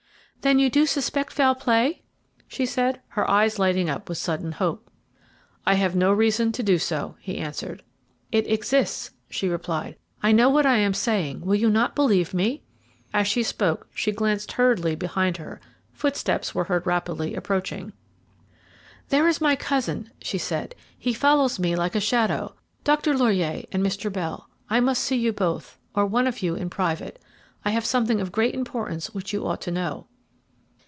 "Then you do suspect foul play?" she said, her eyes lighting up with sudden hope. "I have no reason to do so," he answered. "It exists," she replied. "I know what I am saying; will you not believe me?" As she spoke she glanced hurriedly behind her footsteps were heard rapidly approaching. "There is my cousin," she said; "he follows me like a shadow. Dr. Laurier and Mr. Bell, I must see you both, or one of you, in private. I have something of great importance which you ought to know."